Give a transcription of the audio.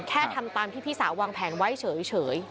ทำตามที่พี่สาววางแผนไว้เฉย